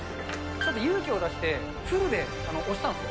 ちょっと勇気を出して、フルで押したんですよ。